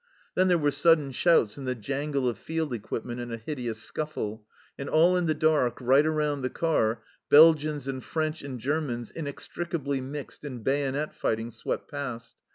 Then there were sudden shouts and the 1 angle of field equipment and a hideous scuffle, and all in the dark, right around the car, Belgians and French and Germans inextricably mixed in bayonet fighting swept past.